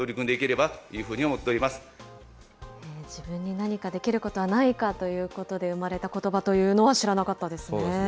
何かできることはないかということで生まれたことばというのそうですね。